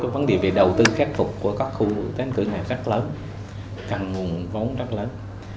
vấn đề về đầu tư khép phục của các khu tán cửa này rất lớn cằn nguồn vóng rất lớn